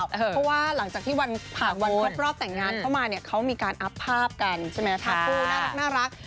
เพราะว่าหลังจากที่วันผ่านวันครบรอบแต่งงานเข้ามาเนี่ยเขามีการอัพภาพกันใช่ไหมภาพคู่น่ารัก